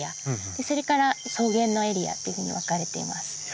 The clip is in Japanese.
それから草原のエリアっていうふうに分かれています。